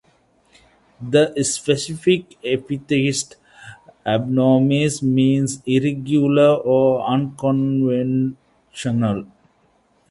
The specific epithet ("abnormis") means "irregular" or "unconventional".